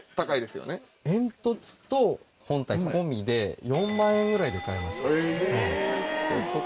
煙突と本体込みで４万円ぐらいで買えました。